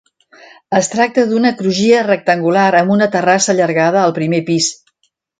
Es tracta d'una crugia rectangular, amb una terrassa allargada al primer pis.